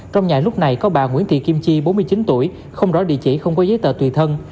trong nhà lúc này có bà nguyễn thị kim chi bốn mươi chín tuổi không rõ địa chỉ không có giấy tờ tùy thân